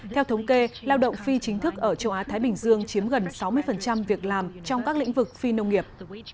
theo thống kê lao động phi chính thức ở châu á thái bình dương chiếm gần sáu mươi việc làm trong các lĩnh vực phi nông nghiệp